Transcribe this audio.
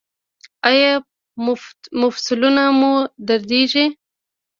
ایا مفصلونه مو دردیږي؟